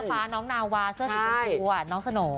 เชื้อฟ้าน้องนาวาเสื้อสี่สองตัวน้องสโหน